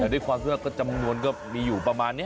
ทำด้วยความสุดกับก็จำนวนก็มีอยู่ประมาณนี้